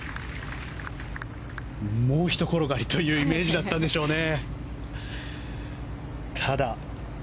もうひと転がりというイメージだったんでしょうね。